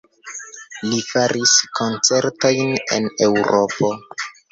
Li faris koncertojn en Eŭropo.